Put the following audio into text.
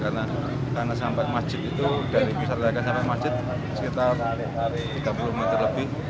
karena sampai masjid itu dari pusat layaknya sampai masjid sekitar tiga puluh meter lebih